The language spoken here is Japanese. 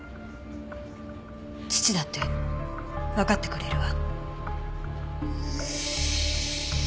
父だってわかってくれるわ。